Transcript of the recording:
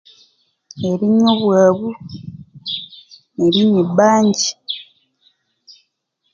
Erinywa obwabu ne erinywa ebangyi